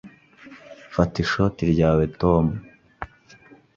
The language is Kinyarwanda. Fata ishoti ryawe, Tom.